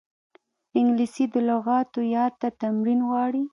انګلیسي د لغاتو یاد ته تمرین غواړي